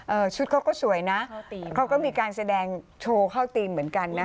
ชุดเขาก็สวยนะเขาก็มีการแสดงโชว์เข้าธีมเหมือนกันนะ